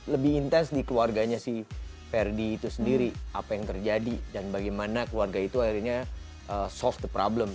lebih intens di keluarganya si ferdi itu sendiri apa yang terjadi dan bagaimana keluarga itu akhirnya soft the problem